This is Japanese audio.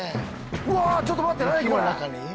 うわちょっと待って何？